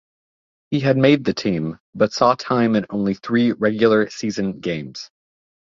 He made the team, but saw time in only three regular season games.